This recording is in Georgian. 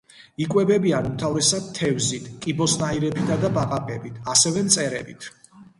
იკვებებიან უმთავრესად თევზით, კიბოსნაირებითა და ბაყაყებით, ასევე მწერებით.